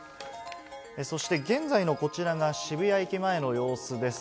そして現在のこちらが渋谷駅前の様子です。